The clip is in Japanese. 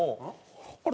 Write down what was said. あれ？